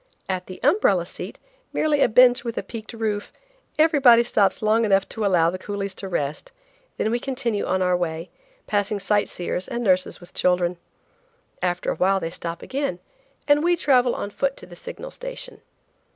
At the Umbrella Seat, merely a bench with a peaked roof, everybody stops long enough to allow the coolies to rest, then we continue on our way, passing sight seers and nurses with children. After a while they stop again, and we travel on foot to the signal station.